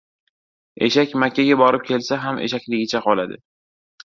• Eshak Makkaga borib kelsa ham eshakligicha qoladi.